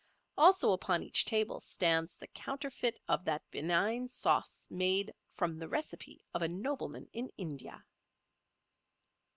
Also upon each table stands the counterfeit of that benign sauce made "from the recipe of a nobleman in India."